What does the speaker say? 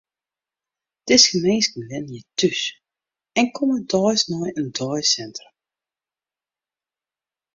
Dizze minsken wenje thús en komme deis nei it deisintrum.